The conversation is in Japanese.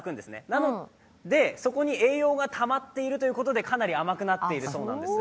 なのでそこに栄養がたまっているということでかなり甘くなっているということなんです。